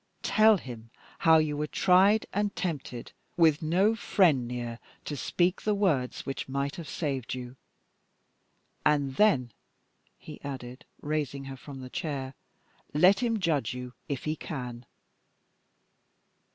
Tell him how you were tried and tempted, with no friend near to speak the words which might have saved you. And then," he added, raising her from the chair, "let him judge you if he can!"